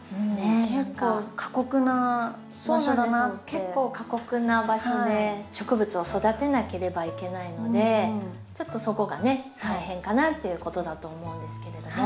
結構過酷な場所で植物を育てなければいけないのでちょっとそこがね大変かなっていうことだと思うんですけれども。